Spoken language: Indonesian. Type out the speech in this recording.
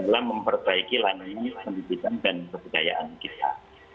dalam memperbaiki layanan pendidikan dan kebudayaan kita